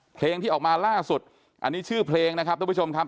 เพลงที่ออกมาล่าสุดอันนี้ชื่อเพลงนะครับทุกผู้ชมครับ